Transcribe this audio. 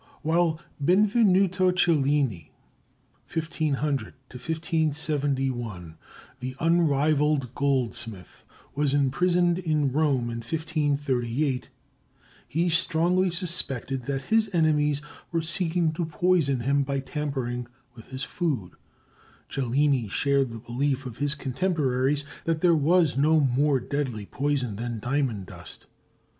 While Benvenuto Cellini (1500 1571), the unrivalled goldsmith, was imprisoned in Rome, in 1538, he strongly suspected that his enemies were seeking to poison him by tampering with his food. Cellini shared the belief of his contemporaries that there was no more deadly poison than diamond dust.